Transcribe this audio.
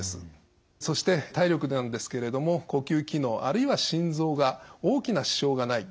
そして体力なんですけれども呼吸機能あるいは心臓が大きな支障がない。